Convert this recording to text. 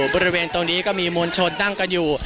บริเวณตรงนี้ก็มีมวลชนนั่งกันอยู่